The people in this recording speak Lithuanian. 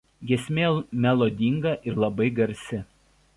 Giesmė melodinga ir labai garsi.